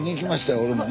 俺もね。